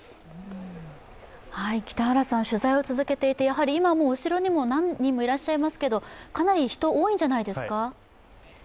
取材を続けていて、やはり今も後ろにも何人もいらっしゃいますけれどもかなり人、多いんじゃないですか？